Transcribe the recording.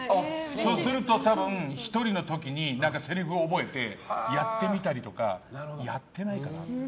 そうすると、多分１人の時にせりふを覚えてやってみたりとかやってないかな？